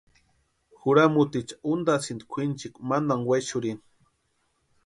Juramutiicha úntʼasïnti kwʼinchikwa mantani wexurhini.